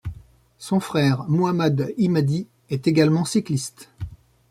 Son frère Muhammad I'maadi est également cycliste.